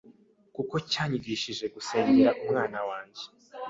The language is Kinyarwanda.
kuko cyanyigishije gusengera umwana wanjye.